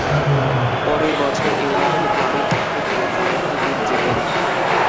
পরের বছর ইউনাইটেড ক্লাবের পক্ষে তিনি আরেকটি লীগ জেতেন।